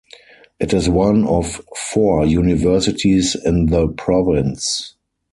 It is one of four universities in the province.